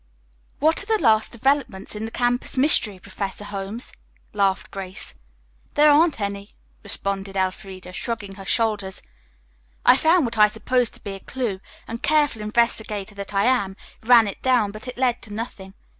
"What are the latest developments in the campus mystery, Professor Holmes?" laughed Grace. "There aren't any," responded Elfreda, shrugging her shoulders. "I found what I supposed to be a clue, and, careful investigator that I am, ran it down, but it led to nothing.